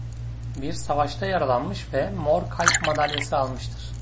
Bir savaşta yaralanmış ve Mor Kalp madalyası almıştır.